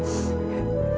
aku terlalu berharga